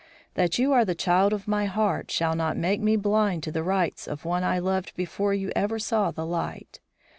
That you are the child of my heart shall not make me blind to the rights of one I loved before you ever saw the light.